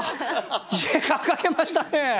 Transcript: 時間かけましたね。